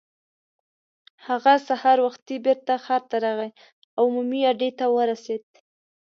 هغه سهار وختي بېرته ښار ته راغی او عمومي اډې ته ورسېد.